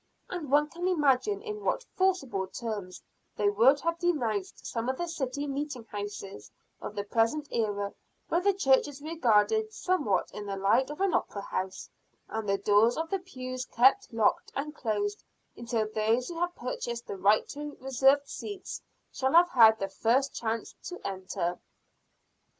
And one can imagine in what forcible terms they would have denounced some city meeting houses of the present era where the church is regarded somewhat in the light of an opera house, and the doors of the pews kept locked and closed until those who have purchased the right to reserved seats shall have had the first chance to enter.